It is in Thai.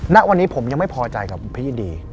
ณวันนี้ผมยังไม่พอใจกับพี่ดี